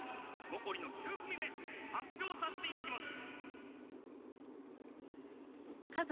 残りの９組目発表させていただきます！